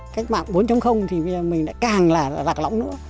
cách mạng bốn thì mình đã càng là lạc lõng nữa